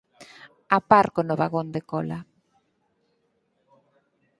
Aparco no vagón de cola.